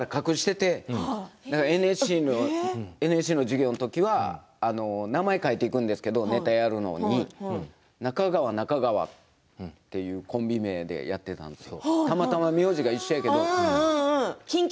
だから最初、隠していてＮＳＣの授業の時には名前を書いていくんですけれどもネタをやるのに中川中川というコンビ名でやっていたんですよ。